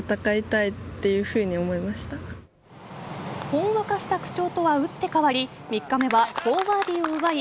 ほんわかした口調とは打って変わり、３日目は４バーディーを奪い